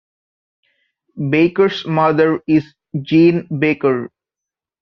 Baker's mother is Jean Baker.